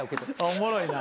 おもろいな。